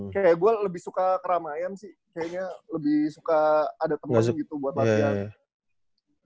kayak gue lebih suka keramaian sih kayaknya lebih suka ada teman gitu buat latihan